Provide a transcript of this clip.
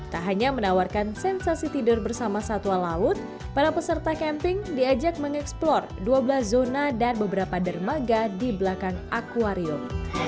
tak hanya menawarkan sensasi tidur bersama satwa laut para peserta camping diajak mengeksplor dua belas zona dan beberapa dermaga di belakang akuarium